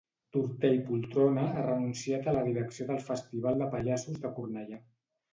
Tortell Poltrona ha renunciat a la direcció del Festival de Pallassos de Cornellà